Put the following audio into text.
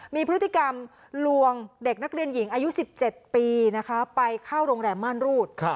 มีพฤติกรรมลวงเด็กนักเรียนหญิงอายุ๑๗ปีนะคะไปเข้าโรงแรมม่านรูด